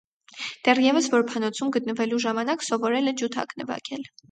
Դեռևս որբանոցում գտնվելու ժամանակ սովորել է ջութակ նվագել։